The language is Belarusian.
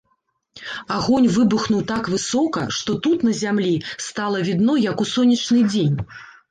Агонь выбухнуў так высока, што тут, на зямлі, стала відно, як у сонечны дзень.